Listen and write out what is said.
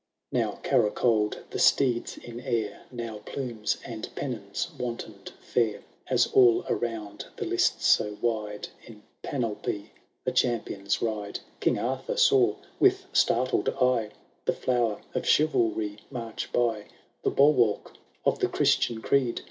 XTX. Now caracord the steeds in air, Now plumes and pennons wantonM fuir, As all around the lists so wide In panoply the champions ride. King Arthur saw, with startled eye, The flower of chivalry march by, Tlie bulwark of the Christian creed.